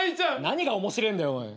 何が面白えんだよおい。